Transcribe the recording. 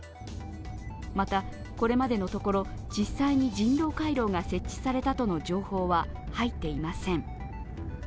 また、これまでのところ実際に人道回廊が設置されたとの情報は入っていません。